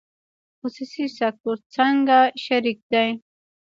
خصوصي سکتور څنګه شریک دی؟